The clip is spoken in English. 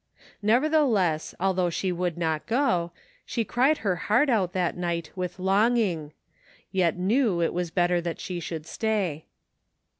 Nevertheless, although she would not go, sihe cried her heart out that night with longing ; yet knew it was better that she should stay.